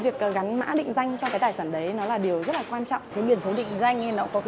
biển số định danh nó có cái lợi cho mình